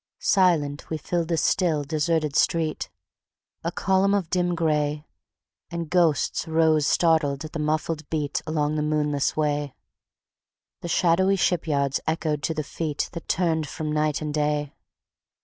Silent, we filled the still, deserted street, A column of dim gray, And ghosts rose startled at the muffled beat Along the moonless way; The shadowy shipyards echoed to the feet That turned from night and day.